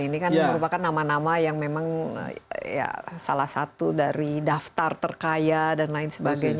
ini kan merupakan nama nama yang memang salah satu dari daftar terkaya dan lain sebagainya